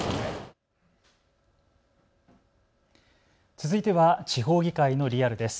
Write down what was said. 続いては地方議会のリアルです。